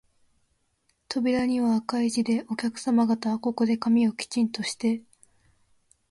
扉には赤い字で、お客さま方、ここで髪をきちんとして、